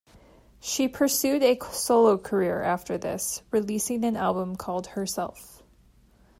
She pursued a solo career after this, releasing an album called Herself.